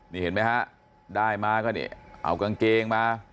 นี่เห็นไหมฮะได้มาก็นี่เอากางเกงมา